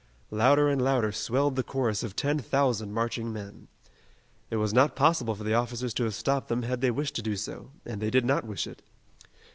Louder and louder swelled the chorus of ten thousand marching men. It was not possible for the officers to have stopped them had they wished to do so, and they did not wish it.